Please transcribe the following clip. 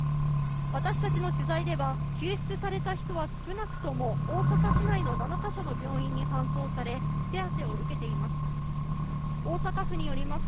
私たちの取材では、救出された人は少なくとも大阪市内の７か所の病院に搬送され、手当てを受けています。